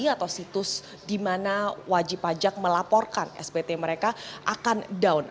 atau situs di mana wajib pajak melaporkan spt mereka akan down